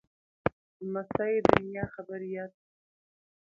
لمسی د نیا خبرې یاد ساتي.